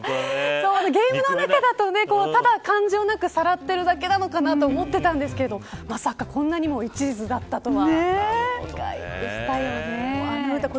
ゲームの中だと、ただ感情なくさらっているだけなのかなと思っていましたけどまさか、こんなにもいちずだったとか。